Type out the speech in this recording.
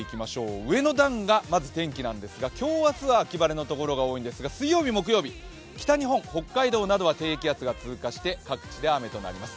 上の段がまず天気なんですが今日明日は秋晴れのところが多いんですが、水曜日、木曜日、低気圧が通過して各地で雨となります